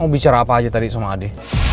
mau bicara apa aja tadi sama adi